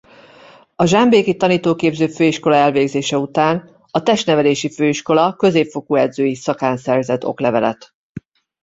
A Zsámbéki Tanítóképző Főiskola elvégzése után a Testnevelési Főiskola középfokú edzői szakán szerzett oklevelet.